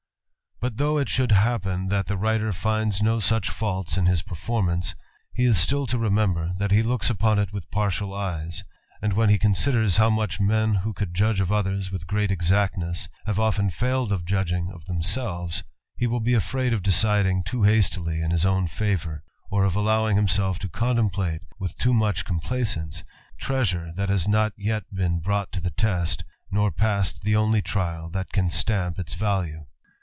But though it should happen that the writer finds no soch faults in his performance, he is still to remember, that he looks upon it with partial eyes : and when he considers how much m6n who could judge of others with great ttactness, have often failed of judging of themselves, he will he afraid of deciding too hastily in his own favour, or of allowing himself to contemplate with too much com licence, treasure that has not yet been brought to the test, nor passed the only trial that can stamp its value.